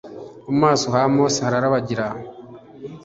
Kumaso ha Mose hararabagira